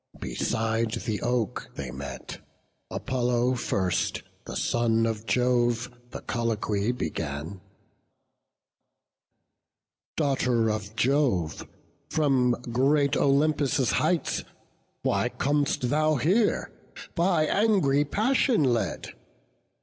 Beside the oak they met; Apollo first, The son of Jove, the colloquy began: "Daughter of Jove, from great Olympus' heights, Why com'st thou here, by angry passion led?